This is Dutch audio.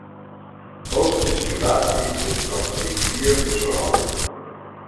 Ook de situatie in categorie vier is veranderd.